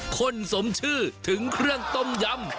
คนสมชื่อถึงเครื่องต้มยำ